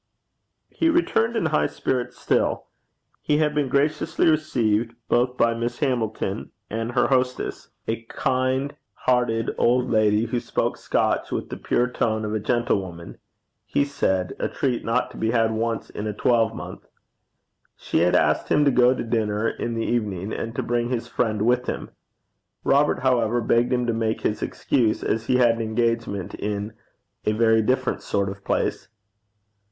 He returned in high spirits still. He had been graciously received both by Miss Hamilton and her hostess a kind hearted old lady, who spoke Scotch with the pure tone of a gentlewoman, he said a treat not to be had once in a twelvemonth. She had asked him to go to dinner in the evening, and to bring his friend with him. Robert, however, begged him to make his excuse, as he had an engagement in a very different sort of place.